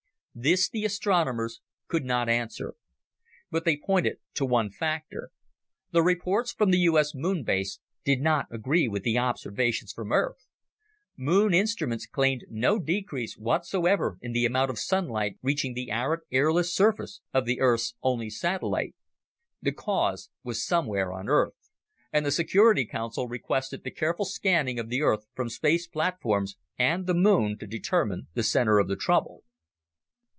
This the astronomers could not answer. But they pointed to one factor. The reports from the U.S. Moon Base did not agree with the observations from Earth. Moon instruments claimed no decrease whatsoever in the amount of sunlight reaching the arid, airless surface of the Earth's only satellite. The cause was somewhere on Earth. And the Security Council requested the careful scanning of the Earth from space platforms and the Moon to determine the center of the trouble.